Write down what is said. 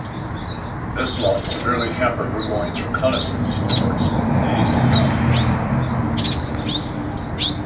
This loss severely hampered Burgoyne's reconnaissance efforts in the days to come.